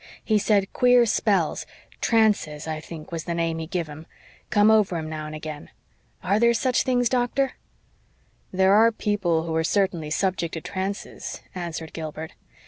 He said queer spells trances, I think was the name he give 'em come over him now and again. Are there such things, Doctor?" "There are people who are certainly subject to trances," answered Gilbert.